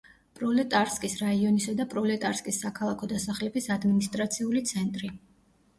პროლეტარსკის რაიონისა და პროლეტარსკის საქალაქო დასახლების ადმინისტრაციული ცენტრი.